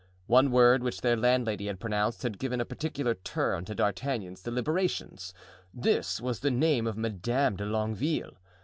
One word which their landlady had pronounced had given a particular turn to D'Artagnan's deliberations; this was the name of Madame de Longueville.